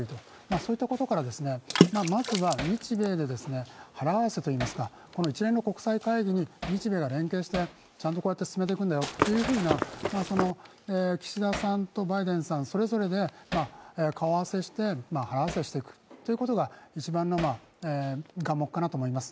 そういったところから、まずは日米で腹合わせというんでしょうか、この一連の国際会議に日米が連携して、ちゃんと進めていくんだよという、岸田さんとバイデンさん、それぞれで、顔合わせして、腹合わせしていくということが一番の眼目かなと思います。